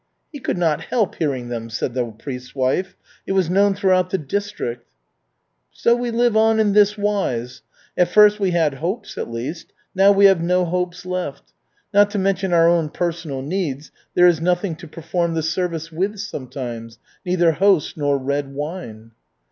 "He could not help hearing them," said the priest's wife. "It was known throughout the district." "So we live on in this wise. At first we had hopes, at least, now we have no hopes left. Not to mention our own personal needs, there is nothing to perform the service with sometimes neither host nor red wine."